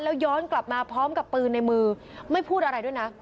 แล้วย้อนกลับมาพร้อมกับปืนในมือไม่พูดอะไรด้วยนะ